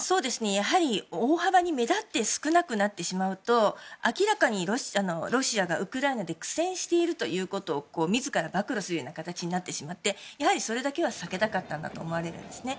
やはり、大幅に目立って少なくなってしまうと明らかにロシアがウクライナで苦戦しているということを自ら暴露するような形になってしまってそれだけは避けたかったんだと思われるんですね。